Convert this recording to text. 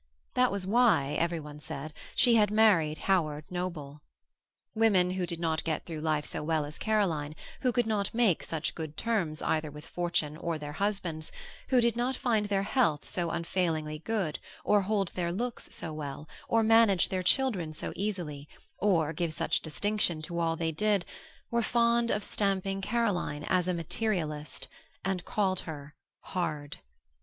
That was why, everyone said, she had married Howard Noble. Women who did not get through life so well as Caroline, who could not make such good terms either with fortune or their husbands, who did not find their health so unfailingly good, or hold their looks so well, or manage their children so easily, or give such distinction to all they did, were fond of stamping Caroline as a materialist, and called her hard.